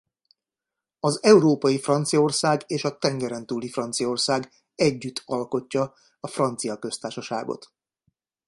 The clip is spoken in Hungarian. Az európai Franciaország és a tengerentúli Franciaország együtt alkotja a Francia Köztársaságot.